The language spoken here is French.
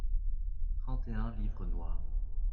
trente et un livres noirs.